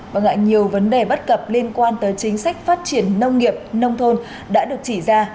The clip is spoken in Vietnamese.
và ngại nhiều vấn đề bất cập liên quan tới chính sách phát triển nông nghiệp nông thôn đã được chỉ ra